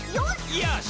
「よし！」